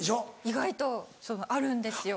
意外とあるんですよ。